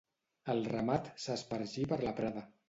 El ramat s'espargí per la prada.